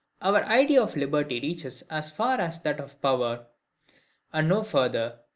Our idea of liberty reaches as far as that power, and no farther.